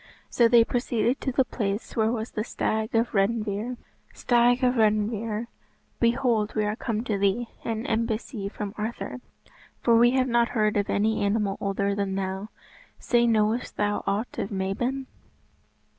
So they proceeded to the place where was the Stag of Redynvre. "Stag of Redynvre, behold we are come to thee, an embassy from Arthur, for we have not heard of any animal older than thou. Say, knowest thou aught of Mabon?"